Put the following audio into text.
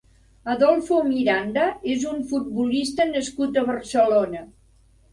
Adolfo Miranda és un futbolista nascut a Barcelona.